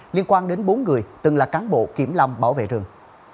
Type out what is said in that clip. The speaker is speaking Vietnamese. liên quan đến bốn người từng là cán bộ kiểm lâm bảo vệ rừng